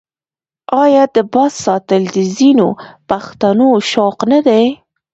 آیا د باز ساتل د ځینو پښتنو شوق نه دی؟